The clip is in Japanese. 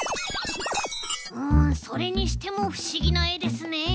うんそれにしてもふしぎなえですねえ。